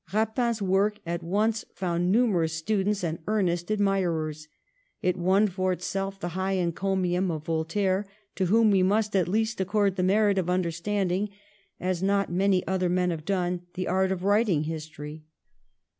Eapin's work at once found numerous students and earnest admirers. It won for itself the high encomium of Voltaire, to whom we must at least accord the merit of understanding, as not many other men have done, the art of writing history.